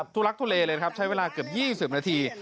ทุลักทุเลเลยครับใช้เวลาเกือบ๒๐นาที